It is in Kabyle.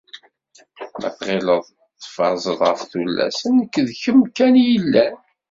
Ma tɣileḍ tfazeḍ ɣef tullas, neɣ d kemm kan i yellan.